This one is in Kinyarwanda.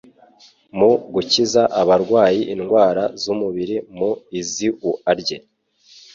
Mu gukiza abarwayi indwara z'umubiri mu iziua rye,